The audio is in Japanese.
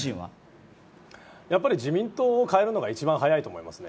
やっぱり自民党を変えるのが一番早いと思いますね。